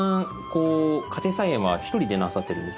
こう家庭菜園は１人でなさってるんですか？